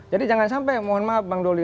jadi jangan sampai mohon maaf bang doli